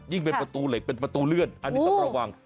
เป็นประตูเหล็กเป็นประตูเลื่อนอันนี้ต้องระวัง